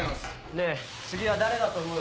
ねえ次は誰だと思う？